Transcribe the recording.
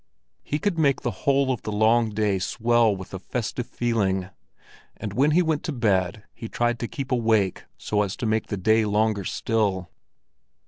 He could make the whole of the long day swell with a festive feeling; and when he went to bed he tried to keep awake so as to make the day longer still.